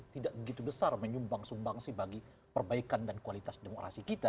tidak begitu besar menyumbang sumbangsi bagi perbaikan dan kualitas demokrasi kita